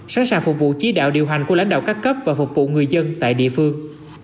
sẵn sàng phục vụ chỉ đạo điều hành của lãnh đạo các cấp và phục vụ người dân tại địa phương